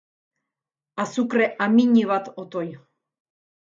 Azukre amiñi bat otoi.